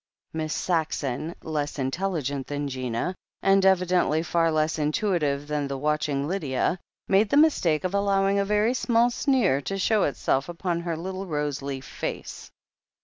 Miss Saxon, less intelligent than Gina, and evidently far less intuitive than the watching Lydia, made the mistake of allowing a very small sneer to show itself upon her little roseleaf face.